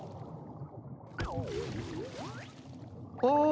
あ。